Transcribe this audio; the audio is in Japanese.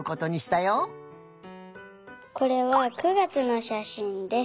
これは９月のしゃしんです。